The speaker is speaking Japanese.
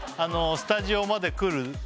スタジオまで来る